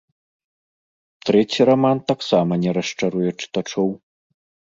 Трэці раман таксама не расчаруе чытачоў.